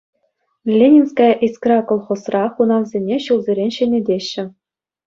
«Ленинская искра» колхозра хунавсене ҫулсерен ҫӗнетеҫҫӗ.